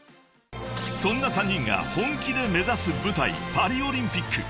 ［そんな３人が本気で目指す舞台パリオリンピック］